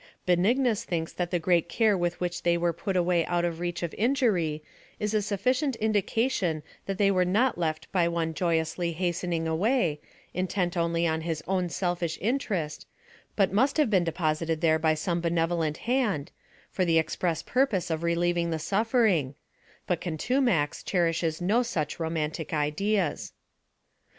Benignus thinks that the great care with which they were put away out of the reach of injury is a sufficient indication that they were not left by one joy ously hastening away, intent only on his own selfish interest, but must have been deposited there by some benevolent hand, for the express purpose of relieving the suflTering ; but Contumax cherishes no such roniantio ideas.